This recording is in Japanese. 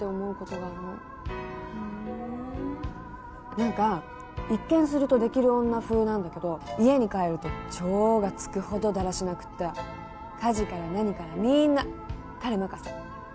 なんか一見すると出来る女風なんだけど家に帰ると「超」がつくほどだらしなくって家事から何からみんな彼任せ。